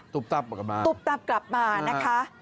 ตับกลับมาตุ๊บตับกลับมานะคะ